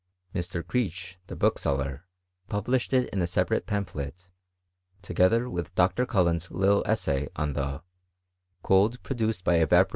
Mr. Creech, the bookseller, published it^ in a separate pamphlet, together with Dr. CuUenli' little essay on the '^cold produced by evaporating!